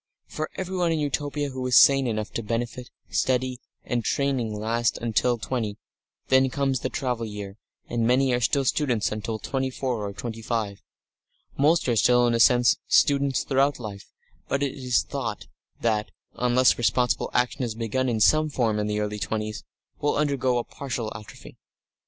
For everyone in Utopia who is sane enough to benefit, study and training last until twenty; then comes the travel year, and many are still students until twenty four or twenty five. Most are still, in a sense, students throughout life, but it is thought that, unless responsible action is begun in some form in the early twenties, will undergoes a partial atrophy.